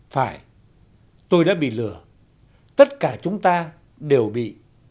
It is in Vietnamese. phải tôi đã bị lừa tất cả chúng ta đều bị